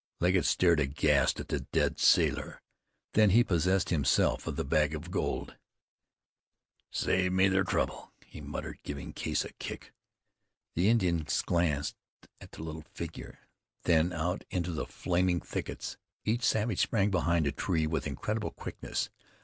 Legget stared aghast at the dead sailor; then he possessed himself of the bag of gold. "Saved me ther trouble," he muttered, giving Case a kick. The Indians glanced at the little figure, then out into the flaming thickets. Each savage sprang behind a tree with incredible quickness.